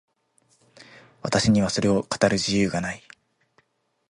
私にはそれを語る自由がない。